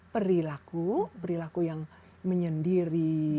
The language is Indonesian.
perilaku perilaku yang menyendiri